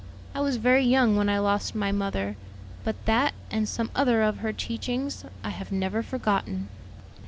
I was very young when I lost my mother; but that, and some other of her teachings, I have never forgotten."